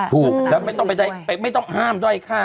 ถูกแล้วไม่ต้องห้ามด้อยค่า